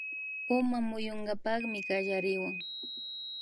Uma muyunkapakmi kallariwan